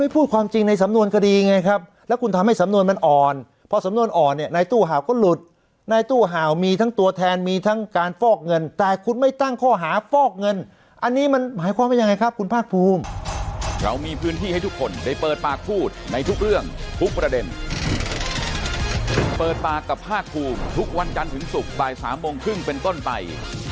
พอสำนวนอ่อนเนี้ยในตู้ห่าวก็หลุดในตู้ห่าวมีทั้งตัวแทนมีทั้งการฟอกเงินแต่คุณไม่ตั้งข้อหาฟอกเงินอันนี้มันหมายความว่ายังไงครับคุณพากภูมิ